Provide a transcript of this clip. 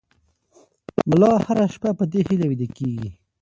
ملا هره شپه په دې هیله ویده کېږي.